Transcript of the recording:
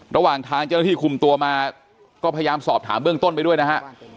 ระหว่างทางเจ้าหน้าที่คุมตัวมาก็พยายามสอบถามเบื้องต้นไปด้วยนะฮะ